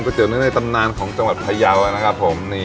วีเตี๋ยวในตำนาญของจังหวัดพะเยาว์นะครับผม